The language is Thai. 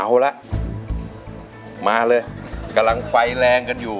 เอาละมาเลยกำลังไฟแรงกันอยู่